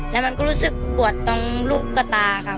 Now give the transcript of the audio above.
แล้วมันก็รู้สึกปวดตรงลูกกระตาค่ะ